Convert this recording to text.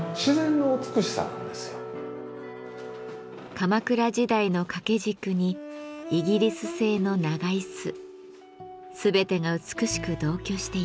鎌倉時代の掛け軸にイギリス製の長椅子全てが美しく同居しています。